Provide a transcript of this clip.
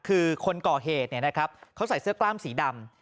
คือคนก่อเหตุเนี่ยนะครับเขาใส่เสื้อกล้ามสีดำ